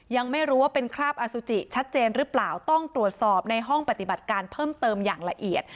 ยังไม่รู้ว่าเป็นคราบอสุจิชัดเจนหรือเปล่าต้องตรวจสอบในห้องปฏิบัติการเพิ่มเติมอย่างละเอียด